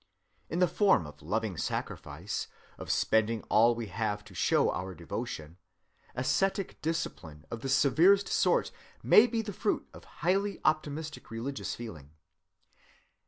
In the form of loving sacrifice, of spending all we have to show our devotion, ascetic discipline of the severest sort may be the fruit of highly optimistic religious feeling.